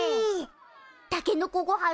たけのこごはん